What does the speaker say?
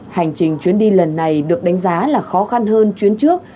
hành trình chuyến đi lần này được đánh giá là khó khăn hơn chuyến trước